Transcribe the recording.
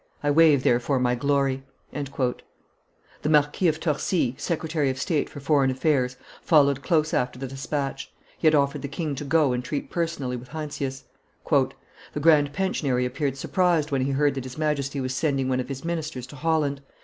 I waive, therefore, my glory." The Marquis of Torcy, secretary of state for foreign affairs, followed close after the despatch; he had offered the king to go and treat personally with Heinsius. "The grand pensionary appeared surprised when he heard that his Majesty was sending one of his ministers to Holland.